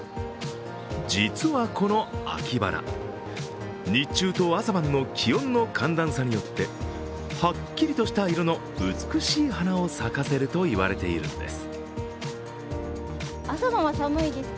実はこの秋バラ、日中と朝晩の気温の寒暖差によってはっきりとした色の美しい花を咲かせるといわれているんです。